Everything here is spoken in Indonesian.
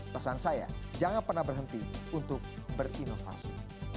pesan saya jangan pernah berhenti untuk berinovasi